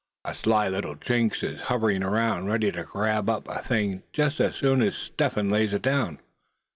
A sly little jinx is hoverin' around, ready to grab up a thing just as soon as Step lays it down.